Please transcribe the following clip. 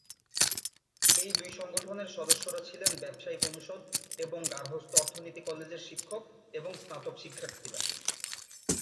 এই দুই সংগঠনের সদস্যরা ছিলেন ব্যবসায়িক অনুষদ এবং গার্হস্থ্য অর্থনীতি কলেজের শিক্ষক এবং স্নাতক শিক্ষার্থীরা।